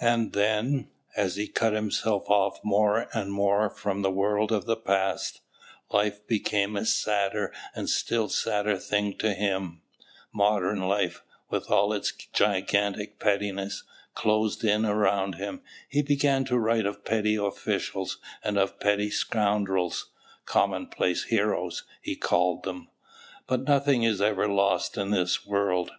And then, as he cut himself off more and more from the world of the past, life became a sadder and still sadder thing to him; modern life, with all its gigantic pettiness, closed in around him, he began to write of petty officials and of petty scoundrels, "commonplace heroes" he called them. But nothing is ever lost in this world.